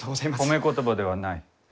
褒め言葉ではない。